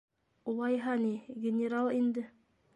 - Улайһа ни, генерал инде.